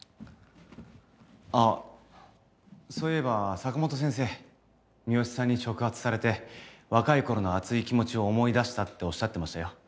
あそういえば坂本先生三好さんに触発されて若い頃の熱い気持ちを思い出したっておっしゃってましたよ。